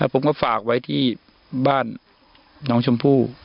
ผมก็ฝากไว้ที่บ้านน้องชมพู่